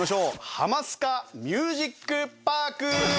ハマスカミュージックパーク！